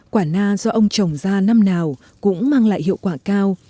quả na do ông trồng ra năm nào cũng mang lại hiệu quả cao